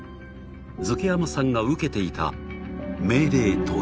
瑞慶山さんが受けていた命令とは